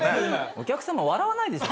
お客様笑わないでしょ。